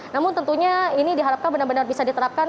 namun tentunya ini diharapkan benar benar bisa diterapkan